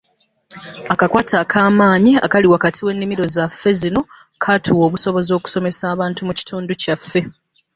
Akakwate akaamanyi akali wakati w’ennimiro zaffe zino, katuwa obusobozi okusomesa abantu mu kitundu kyaffe.